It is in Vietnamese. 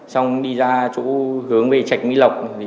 xong đi ra chỗ hướng về trạch mỹ lộc